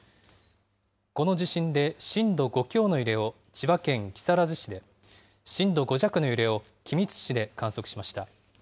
この地震で、震度５強の揺れを千葉県木更津市で、震度５弱の揺れを君津市で観測しました。